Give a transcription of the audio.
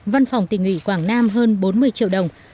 văn phòng tỉnh ủy quảng nam hơn bốn mươi triệu đồng